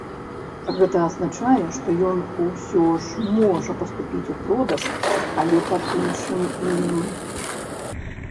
Гэта азначае, што ён усё ж можа паступіць у продаж, але пад іншым імем.